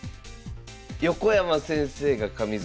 横山先生が上座。